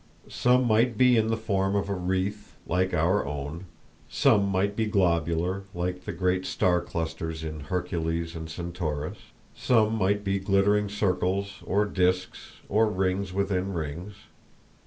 Some might be in the form of a wreath, like our own; some might be globular, like the great star clusters in Hercules and Centaurus; some might be glittering circles, or disks, or rings within rings.